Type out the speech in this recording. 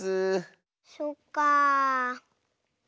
そっかあ。